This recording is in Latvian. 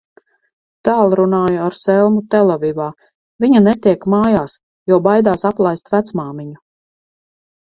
Tālrunāju ar Selmu Telavivā, viņa netiek mājās, jo baidās aplaist vecmāmiņu.